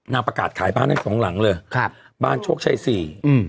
นางประกาศขายบ้านทั้งสองหลังเลยบ้านโชคชัยสี่